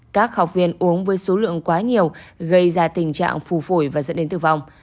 các học viên uống với số lượng quá nhiều gây ra tình trạng phù phổi và dẫn đến tử vong